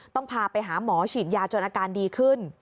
ต้องพาไปหาหมอฉีดยาจนอาการดีขึ้น